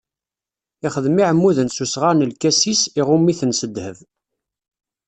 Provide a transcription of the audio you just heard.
Ixdem iɛmuden s usɣar n lkasis, iɣumm-iten s ddheb.